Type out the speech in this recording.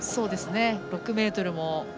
６ｍも。